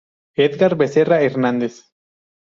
Edgar Becerra Hernández.